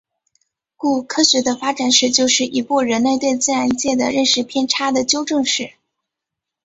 故科学的发展史就是一部人类对自然界的认识偏差的纠正史。